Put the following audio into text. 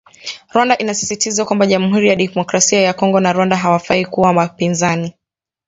Rwanda inasisitizwa kwamba jamuhuri ya demokrasia ya Kongo na Rwanda hawafai kuwa wapinzani